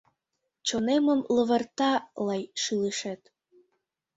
Чонемым лывырта лай шӱлышет.